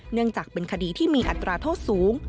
เนื่องจากเป็นคดีที่มีอัตราโทษสูง